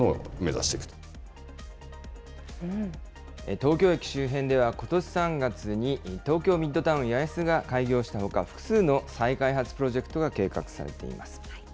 東京駅周辺では、ことし３月に東京ミッドタウン八重洲が開業したほか、複数の再開発プロジェクトが計画されています。